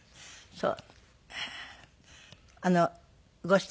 そう。